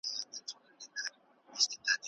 ایا سیاست خپلې پرېکړې پلي کولای سي؟